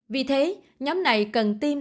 vì thế nhóm này cần tim